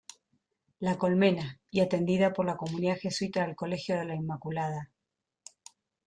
La Colmena, y atendida por la Comunidad Jesuita del Colegio de la Inmaculada.